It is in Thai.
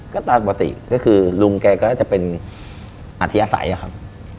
ก็ตามปกติที่คือลุงแกก็จะเป็นอาทิไฟล์ครับ